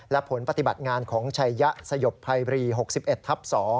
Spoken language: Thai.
และผลปฏิบัติงานของชัยยะสยบภัยบรี๖๑ทับ๒